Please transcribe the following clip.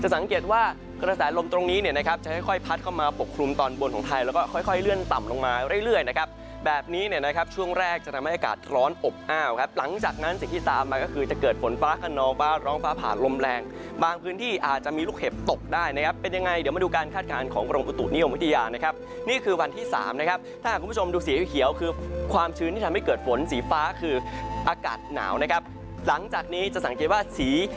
สังเกตว่ากระแสลมตรงนี้นะครับจะค่อยพัดเข้ามาปกครุมตอนบนของไทยแล้วก็ค่อยเลื่อนต่ำลงมาเรื่อยนะครับแบบนี้นะครับช่วงแรกจะทำให้อากาศร้อนอบอ้าวครับหลังจากนั้นสิ่งที่ตามมาก็คือจะเกิดฝนฟ้ากันนอกว่าร้องฟ้าผ่านลมแรงบางพื้นที่อาจจะมีลูกเห็บตกได้นะครับเป็นยังไงเดี๋ยวมาดูการคาดการณ์